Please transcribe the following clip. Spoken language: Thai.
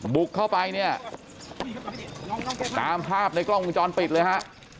บุกเข้าไปเนี่ยตามภาพในกล้องวงจรปิดเลยฮะ